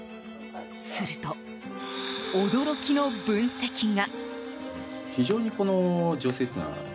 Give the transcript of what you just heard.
すると、驚きの分析が。